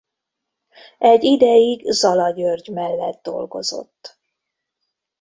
Egy ideig Zala György mellett dolgozott.